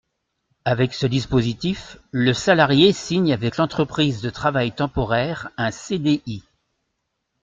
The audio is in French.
Avec ce dispositif, le salarié signe avec l’entreprise de travail temporaire un CDI.